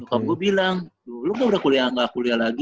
nyokap gue bilang lo kok udah kuliah gak kuliah lagi